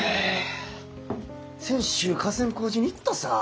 先週河川工事に行ったさ。